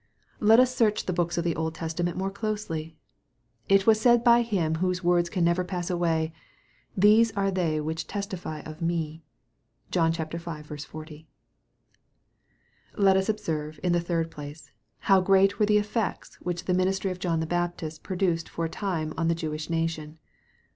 Let us search the books of the Old Testa ment more closely. It was said by Him whose words can never pass away, " these are they which testify of me." (John v. 40.) Let us observe, in the third place, how great were the effects which the ministry of John the Baptist produced for a time on the Jewish nation.